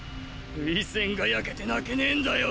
涙腺が焼けて泣けねえんだよ